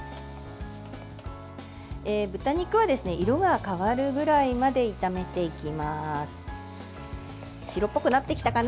豚肉は色が変わるぐらいまで炒めていきます。